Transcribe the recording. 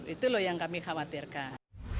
itu loh yang kami khawatirkan